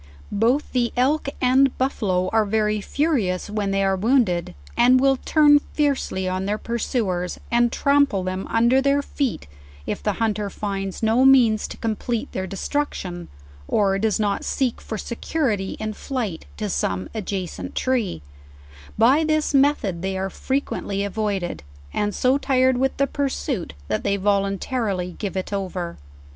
Both the elk and buffalo are very furious when they are wounded, and will turn fiercely on their pursuers, and tram ple them under their feet if the hunter finds no means to complete their destruction, or does not seek for security in flight to some adjacent tree; by this method they are frequent ly avoided, and so tired with the pursuit, that they volunta rily give it over.